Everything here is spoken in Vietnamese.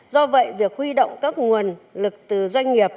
do vậy việc huy động các nguồn lực từ doanh nghiệp